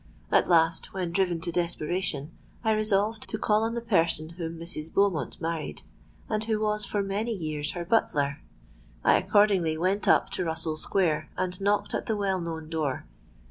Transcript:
At last, when driven to desperation, I resolved to call on the person whom Mrs. Beaumont married, and who was for many years her butler. I accordingly went up to Russell Square, and knocked at the well known door.